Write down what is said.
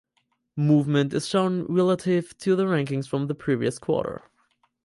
Movement is shown relative to the rankings from the previous quarter.